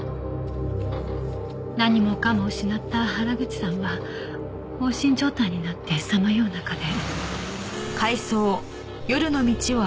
何もかも失った原口さんは放心状態になってさまよう中で。